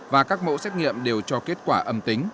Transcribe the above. và các mẫu xét nghiệm đều cho kết quả âm tính